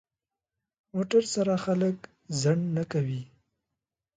موټر سره خلک ځنډ نه کوي.